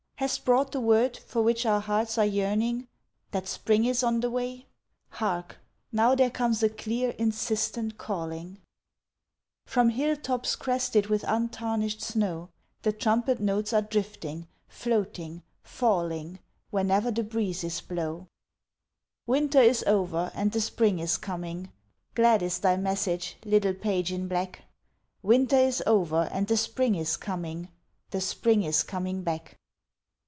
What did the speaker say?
Hast brought the word for which our hearts are yearning, That spring is on the way? Hark! Now there comes a clear, insistent calling, From hill tops crested with untarnished snow; The trumpet notes are drifting floating falling Whene'er the breezes blow! "Winter is over, and the spring is coming!" Glad is thy message, little page in black "Winter is over, and the spring is coming The spring is coming back!"